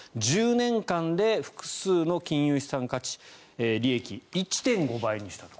１０年間で複数の金融資産価値利益、１．５倍にしたと。